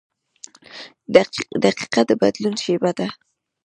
• دقیقه د بدلون شیبه ده.